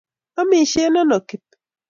Amishen ano kip?